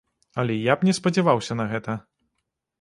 Але я б не спадзяваўся на гэта.